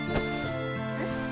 えっ？